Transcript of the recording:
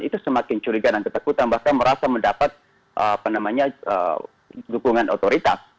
itu semakin curiga dan ketakutan bahkan merasa mendapat dukungan otoritas